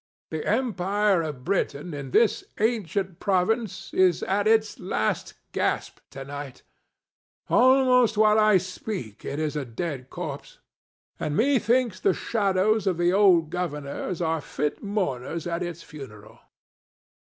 The empire of Britain in this ancient province is at its last gasp to night; almost while I speak it is a dead corpse, and methinks the shadows of the old governors are fit mourners at its funeral."